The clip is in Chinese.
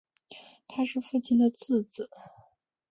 他是父亲的次子。